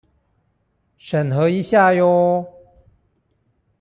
審核一下唷！